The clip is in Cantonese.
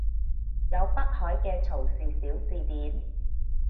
有北海嘅曹氏小字典